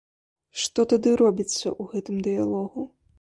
Што тады робіцца ў гэтым дыялогу?!